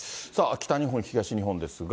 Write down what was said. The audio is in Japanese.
北日本、東日本ですが。